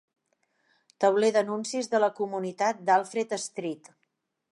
Tauler d'anuncis de la comunitat d'Alfred Street.